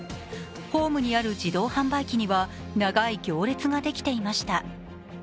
ホームにある自動販売機には長い行列ができていました。